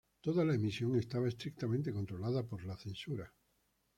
Toda la emisión estaba estrictamente controlada por la censura.